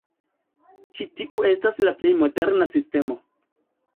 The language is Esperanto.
Ĉi tiu estas la plej moderna sistemo.